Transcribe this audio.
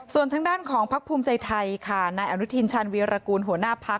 ส่วนทางด้านของพักภูมิใจไทยค่ะนายอนุทินชาญวีรกูลหัวหน้าพัก